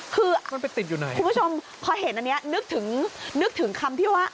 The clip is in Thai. คือคุณผู้ชมคอยเห็นอันนี้นึกถึงคำที่ว่า